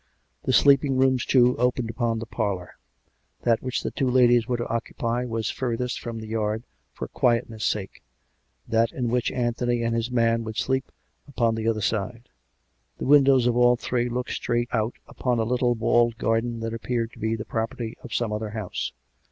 The sleeping rooms, too, opened upon the parlour; that which the two ladies were to occupy was furthest from the yard, for quietness' sake; that in which Anthony and his man would sleep, upon the other side. The windows of all three looked straight out upon a little walled garden that appeared to be the property of some other house.